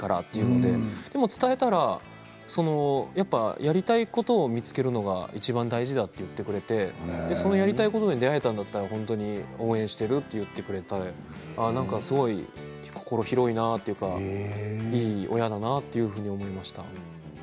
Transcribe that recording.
でも、伝えたらやりたいことを見つけるのはいちばん大事だということでやりたいことに出会えたんだったら本当に応援しているよと心が広いなというかいい親だなと思いました。